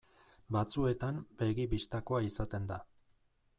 Batzuetan begi bistakoa izaten da.